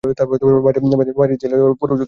বাইয়ের জেলে যাওয়ার পুরো ঝুঁকি আছে।